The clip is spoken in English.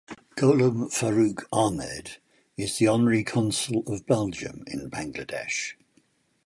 Golam Faruk Ahmed is the honorary consul of Belgium in Bangladesh.